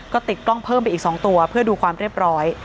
ก็ติดกล้องเพิ่มไปอีก๒ตัวเพื่อดูความเรียบร้อย